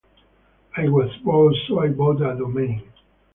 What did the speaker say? I was bored so I bought a domain